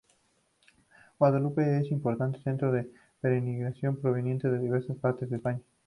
Guadalupe es un importante centro de peregrinación proveniente de diversas partes de España.